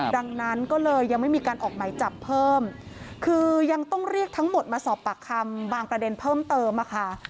ดังนั้นก็เลยยังไม่มีการออกไหมจับเพิ่มคือยังต้องเรียกทั้งหมดมาสอบปากคำบางประเด็นเพิ่มเติมอะค่ะ